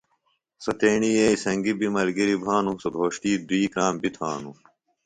سوۡ تیݨی ییئے سنگیۡ بیۡ ملگِری بھانوۡ۔ سوۡ گھوݜٹی دوئی کرام بیۡ تھانوۡ۔